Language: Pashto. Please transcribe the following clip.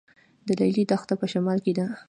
د لیلی دښته په شمال کې ده